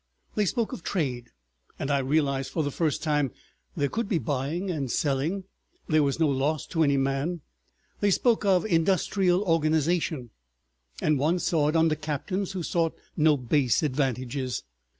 They spoke of trade, and I realized for the first time there could be buying and selling that was no loss to any man; they spoke of industrial organization, and one saw it under captains who sought no base advantages.